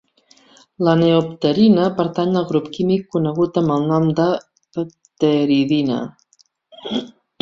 La neopterina pertany al grup químic conegut amb el nom de pteridina.